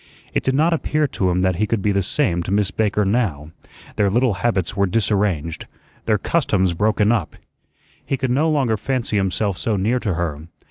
It did not appear to him that he could be the same to Miss Baker now; their little habits were disarranged, their customs broken up. He could no longer fancy himself so near to her.